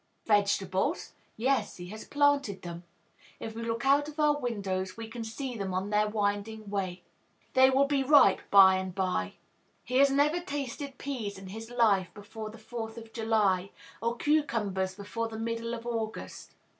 Vegetables? Yes, he has planted them. If we look out of our windows, we can see them on their winding way. They will be ripe by and by. He never tasted peas in his life before the Fourth of July, or cucumbers before the middle of August.